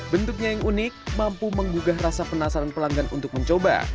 bentuknya yang unik mampu menggugah rasa penasaran pelanggan untuk mencoba